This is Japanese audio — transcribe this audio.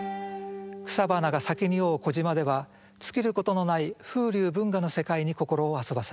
草花が咲き匂う小島では尽きることのない風流文雅の世界に心を遊ばせます。